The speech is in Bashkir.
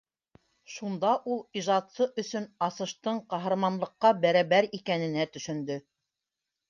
Шунда ул ижадсы өсөн асыштың ҡаһарманлыҡҡа бәрәбәр икәненә төшөндө.